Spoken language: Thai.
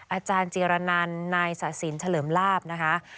อาจารย์เจรนันนายสะสินเฉลิมลาบนะคะ